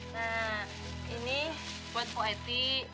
nah ini buat poeti